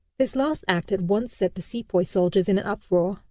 This last act at once set the sepoy soldiers in an uproar.